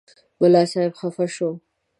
ملا صاحب خفه شو.